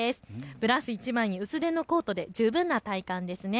ブラウス１枚に薄手のコートで十分な体感です。